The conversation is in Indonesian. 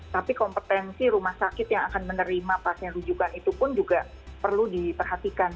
tapi kompetensi rumah sakit yang akan menerima pasien rujukan itu pun juga perlu diperhatikan